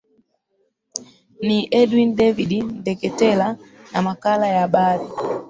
ni edwin david ndeketela na makala ya habari